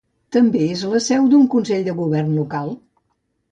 També és la seu d'un consell de govern local.